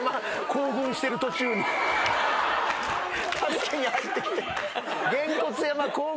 行軍してる途中に勝手に入ってきて。